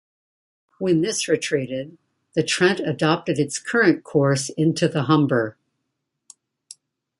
When this retreated, the Trent adopted its current course into the Humber.